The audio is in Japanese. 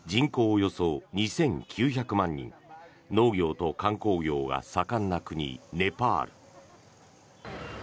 およそ２９００万人農業と観光業が盛んな国ネパール。